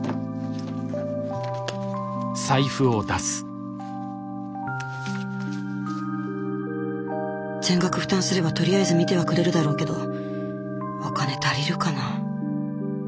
心の声全額負担すればとりあえず診てはくれるだろうけどお金足りるかな？